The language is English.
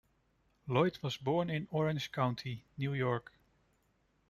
Loyd was born in Orange County, New York.